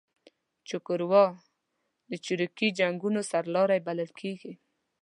چیګوارا د چریکي جنګونو سرلاری بللل کیږي